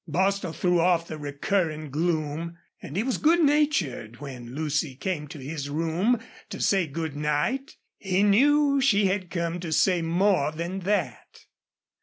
Bostil threw off the recurring gloom, and he was good natured when Lucy came to his room to say good night. He knew she had come to say more than that.